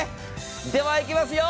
ではいきますよ。